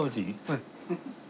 はい。